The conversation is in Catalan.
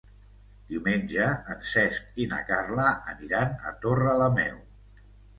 Diumenge en Cesc i na Carla aniran a Torrelameu.